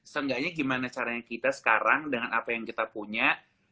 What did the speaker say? seenggaknya gimana caranya kita sekarang dengan apa yang kita punya